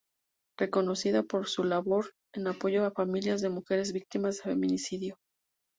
Reconocida por su labor en apoyo a familias de mujeres víctimas de feminicidio.